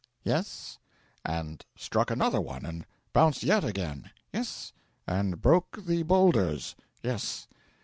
'Yes.' 'And struck another one and bounced yet again?' 'Yes.' 'And broke the boulders?' 'Yes.'